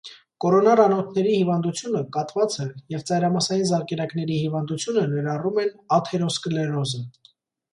Կորոնար անոթների հիվանդությունը, կաթվածը և ծայրամասային զարկերակների հիվանդությունը ներառում են աթերոսկլերոզը։